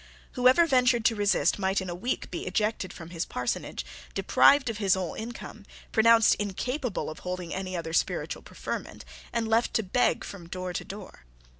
Whoever ventured to resist might in a week be ejected from his parsonage, deprived of his whole income, pronounced incapable of holding any other spiritual preferment, and left to beg from door to door.